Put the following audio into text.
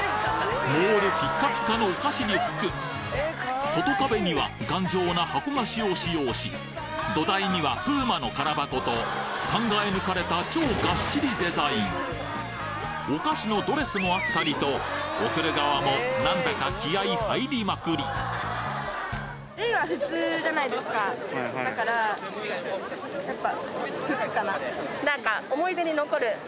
モールピカピカの外壁には頑丈な箱菓子を使用し土台にはプーマの空箱と考え抜かれた超がっしりデザインお菓子のドレスもあったりと贈る側もなんだか気合い入りまくりだからやっぱ。